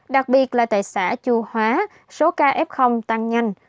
đặc biệt là tại xã chu hóa số ca f tăng nhanh